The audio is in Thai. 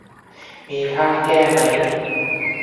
มีท่าแก้ไหม ?